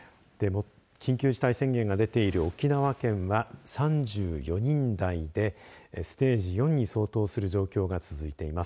緊急事態宣言が出ている沖縄県は３４人台でステージ４に相当する状況が続いています。